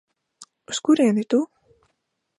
Uz kurieni tu?